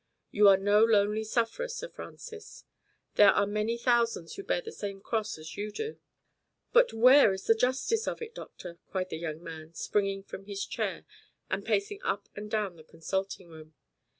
You are no lonely sufferer, Sir Francis. There are many thousands who bear the same cross as you do." "But where is the justice of it, doctor?" cried the young man, springing from his chair and pacing up and down the consulting room.